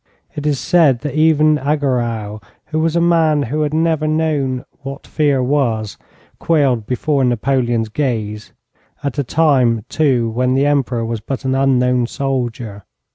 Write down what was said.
It is said that even Auguereau, who was a man who had never known what fear was, quailed before Napoleon's gaze, at a time, too, when the Emperor was but an unknown soldier.